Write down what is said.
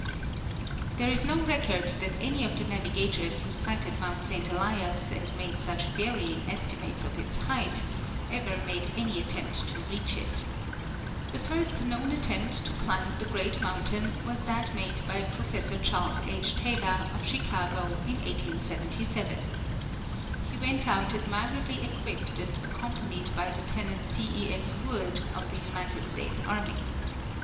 There is no record that any of the navigators who sighted mount Saint Elias and made such varying estimates of its height ever made any attempt to reach it. The first known attempt to climb the great mountain was that made by Professor Charles H. Taylor, of Chicago, in 1877. He went out admirably equipped and accompanied by Lieutenant C. E. S. Wood, of the United States Army.